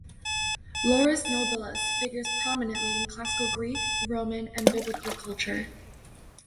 "Laurus nobilis" figures prominently in classical Greek, Roman, and Biblical culture.